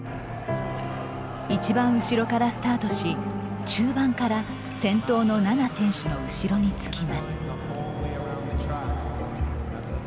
いちばん後ろからスタートし中盤から先頭の菜那選手の後ろにつきます。